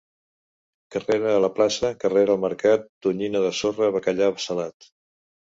Carrera a la plaça, carrera al mercat, tonyina de sorra, bacallà salat.